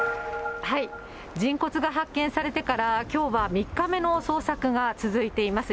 人骨が発見されてから、きょうは３日目の捜索が続いています。